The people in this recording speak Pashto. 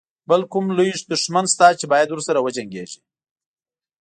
بل کوم لوی دښمن شته چې باید ورسره وجنګيږي.